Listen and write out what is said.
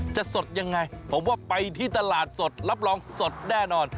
สดยังไงผมว่าไปที่ตลาดสดรับรองสดแน่นอน